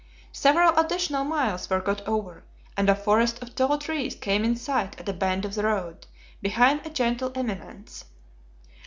Several additional miles were got over, and a forest of tall trees came in sight at a bend of the road, behind a gentle eminence.